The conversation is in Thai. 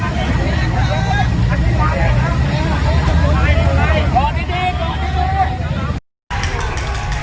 อันนี้ก็มันถูกประโยชน์ก่อน